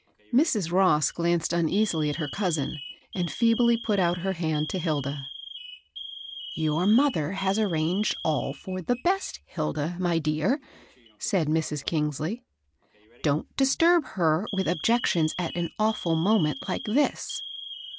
Mrs. Ross glanced uneasily at her cousin, and feebly put out her hand to Hilda. COUSIN ALGIN. 17 "Your mother has arranged all for the best, Hilda, my dear," said Mrs. Kingsley. "Don't disturb her with objections at an awftd moment like this.'